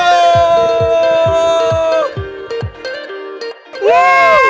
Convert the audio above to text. jangan lupa subscribe like dan share ya